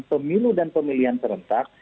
pemilu dan pemilihan terhentak